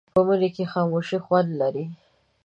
په مني کې خاموشي خوند لري